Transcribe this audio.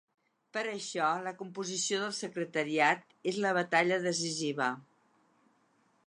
Per això, la composició del secretariat és la batalla decisiva.